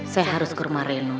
saya harus ke rumah reno